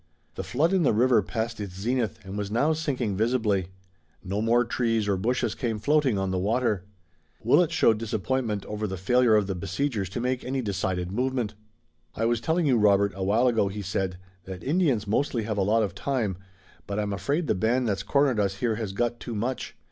The flood in the river passed its zenith and was now sinking visibly. No more trees or bushes came floating on the water. Willet showed disappointment over the failure of the besiegers to make any decided movement. "I was telling you, Robert, a while ago," he said, "that Indians mostly have a lot of time, but I'm afraid the band that's cornered us here has got too much.